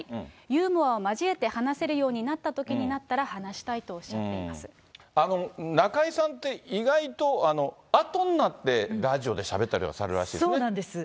ユーモアを交えて話せるようになったときになったら話したいとお中居さんって、意外とあとになってラジオでしゃべったりとかされるらしいですね。